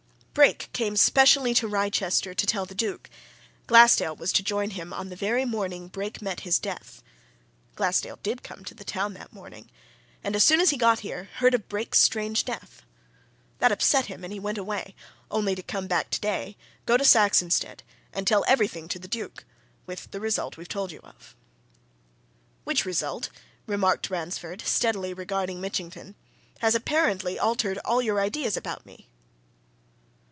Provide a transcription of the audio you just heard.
Brake came specially to Wrychester to tell the Duke Glassdale was to join him on the very morning Brake met his death. Glassdale did come to the town that morning and as soon as he got here, heard of Brake's strange death. That upset him and he went away only to come back today, go to Saxonsteade, and tell everything to the Duke with the result we've told you of." "Which result," remarked Ransford, steadily regarding Mitchington, "has apparently altered all your ideas about me!"